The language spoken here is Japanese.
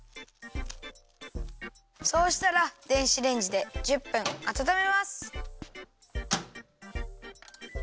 そうしたら電子レンジで１０分あたためます。